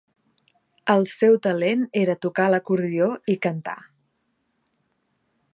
El seu talent era tocar l'acordió i cantar.